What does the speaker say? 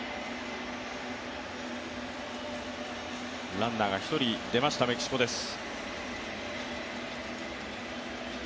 ランナーが１人出ました、メキシコです。